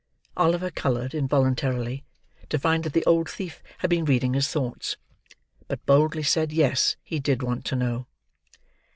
Oliver coloured, involuntarily, to find that the old thief had been reading his thoughts; but boldly said, Yes, he did want to know.